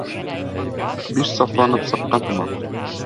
Биш сафланып сыҡҡан һымаҡ.